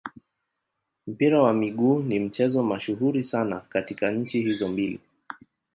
Mpira wa miguu ni mchezo mashuhuri sana katika nchi hizo mbili.